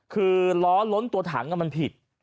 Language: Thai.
คือล้อล้นตัวถังมันผิด